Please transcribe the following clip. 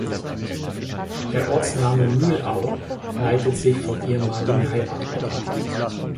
Der Ortsname Mühlau leitet sich vom ehemaligen Heimatort ab.